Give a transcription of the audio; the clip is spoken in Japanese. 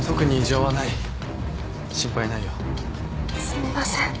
すみません。